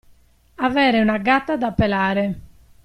Avere una gatta da pelare.